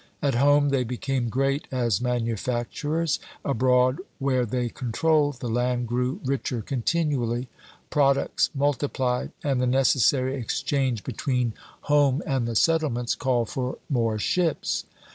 At home they became great as manufacturers; abroad, where they controlled, the land grew richer continually, products multiplied, and the necessary exchange between home and the settlements called for more ships.